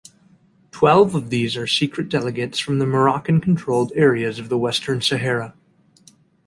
Twelve of these are secret delegates from the Moroccan-controlled areas of Western Sahara.